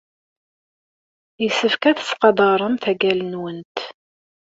Yessefk ad tettqadaremt agal-nwent.